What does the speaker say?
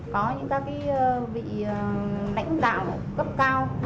có những cái vị lãnh đạo cấp cao